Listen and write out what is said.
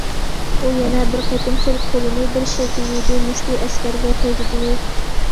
ئۇ يەنە بىر قېتىم سول قولىنى بىر شىلتىۋىدى، مۇشتى ئەسكەرگە تەگدى.